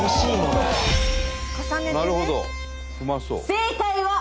正解は。